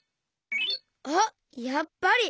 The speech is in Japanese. あっやっぱり！